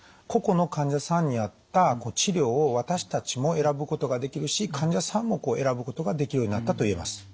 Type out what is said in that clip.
個々の患者さんに合った治療を私たちも選ぶことができるし患者さんも選ぶことができるようになったと言えます。